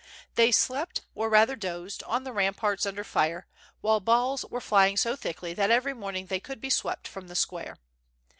They slept, or rather dozed, on the ramparts under fire, while balls were flying so thickly that every morning they could be swept from the square.